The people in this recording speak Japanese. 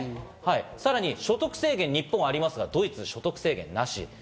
さらに所得制限が日本にはありますが、ドイツは所得制限なし。